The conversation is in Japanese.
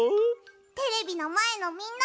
テレビのまえのみんな！